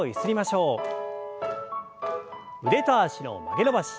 腕と脚の曲げ伸ばし。